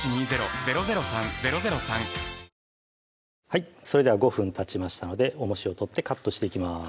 はいそれでは５分たちましたのでおもしを取ってカットしていきます